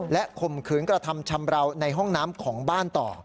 และข่มขืนกระทำชำราวในห้องน้ำของบ้านต่อ